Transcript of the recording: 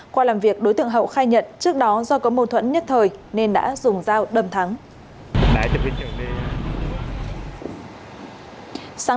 qua làm việc đối tượng hậu khai nhận trước đó do có mâu thuẫn nhất thời nên đã dùng dao đâm thắng